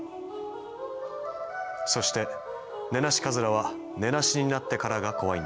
そしてネナシカズラは根無しになってからが怖いんです。